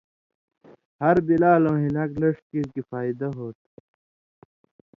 ہر بِلالؤں ہِلاک لݜ کیریۡ کھیں فائدہ ہوتُھو۔